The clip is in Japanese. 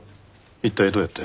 一体どうやって？